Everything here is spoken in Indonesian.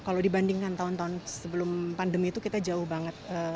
kalau dibandingkan tahun tahun sebelum pandemi itu kita jauh banget